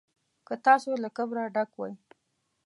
که تاسو له کبره ډک وئ.